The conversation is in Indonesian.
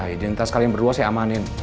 identitas kalian berdua saya amanin